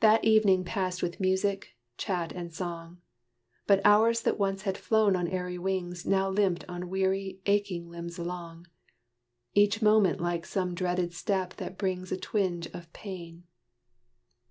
That evening passed with music, chat and song: But hours that once had flown on airy wings Now limped on weary, aching limbs along, Each moment like some dreaded step that brings A twinge of pain.